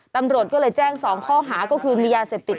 ตำรวจก็เลยแจ้ง๒ข้อหาก็คือมียาเสพติด